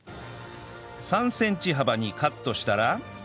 ３センチ幅にカットしたら